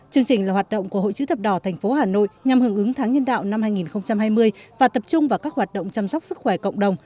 chương trình là hoạt động của hội chữ thập đỏ tp hà nội nhằm hưởng ứng tháng nhân đạo năm hai nghìn hai mươi và tập trung vào các hoạt động chăm sóc sức khỏe cộng đồng